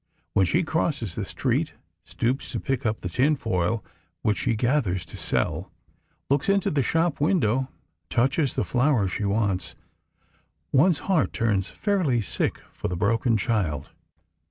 When she crosses the street, stoops to pick up the tin foil which she gathers to sell, looks into the shop window, touches the flower she wants, one's heart turns fairly sick for the broken child.